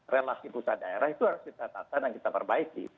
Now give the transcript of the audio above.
relasi pusat daerah itu harus ditatakan dan kita perbaiki